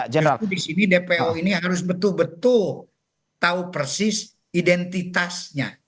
di sini dpo ini harus betul betul tahu persis identitasnya